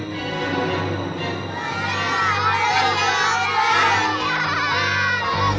kau mau jalan